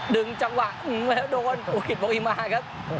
ดึงจังหวะอืมแล้วโดนอุริสโบริมาครับ